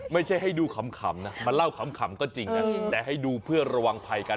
ไม่ใช่ให้ดูขำนะมาเล่าขำก็จริงนะแต่ให้ดูเพื่อระวังภัยกัน